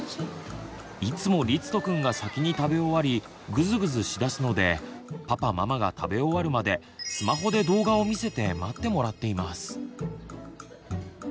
いつもりつとくんが先に食べ終わりぐずぐずしだすのでパパママが食べ終わるまでスマホで動画を見せて待ってもらっています。